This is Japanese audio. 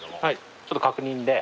ちょっと確認で。